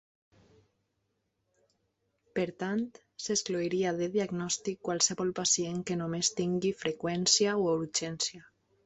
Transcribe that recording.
Per tant, s'exclouria de diagnòstic qualsevol pacient que només tingui freqüència o urgència.